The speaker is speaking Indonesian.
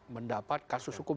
mendapat kasus hukum